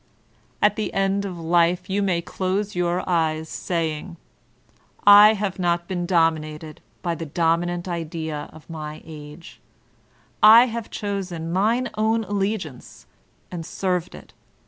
At the end of life you may close your eyes, saying: "I have not been dominated by the Dominant Idea of my Age; I have chosen mine own alliance, and served it.